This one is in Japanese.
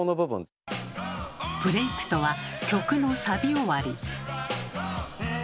「ブレイク」とは曲のサビ終わり。